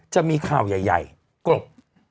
จะมีข่าวใหญ่กรบ